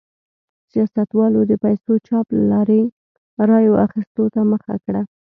سیاستوالو د پیسو چاپ له لارې رایو اخیستو ته مخه کړه.